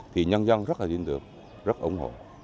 thì nhân dân rất là tin tưởng rất ủng hộ